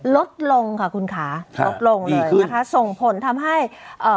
ลดลงค่ะคุณขาลดส่งผลทำให้เอ่อ